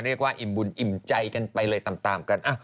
เรียกว่าอิ่มบุญอิ่มใจกันไปเลยต่ำกัน